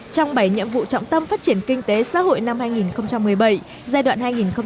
trong bảy nhiệm kinh tế xã hội năm hai nghìn một mươi bảy giai đoạn hai nghìn một mươi sáu hai nghìn hai mươi